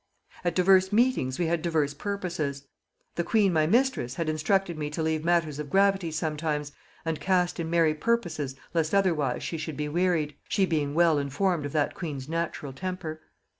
..."At divers meetings we had divers purposes. The queen my mistress had instructed me to leave matters of gravity sometimes, and cast in merry purposes, lest otherwise she should be wearied; she being well informed of that queen's natural temper.